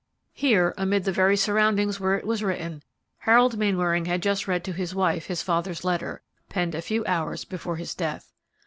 Here, amid the very surroundings where it was written, Harold Mainwaring had just read to his wife his father's letter, penned a few hours before his death.